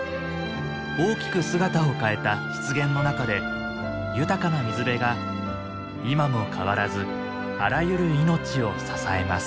大きく姿を変えた湿原の中で豊かな水辺が今も変わらずあらゆる命を支えます。